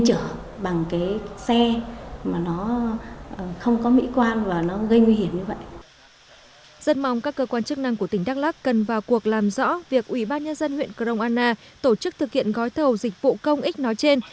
dân mong các cơ quan chức năng của tỉnh đắk lắc cần vào cuộc làm rõ việc ủy ban nhân dân huyện cờ rông anna tổ chức thực hiện gói thầu dịch vụ công ích nói trên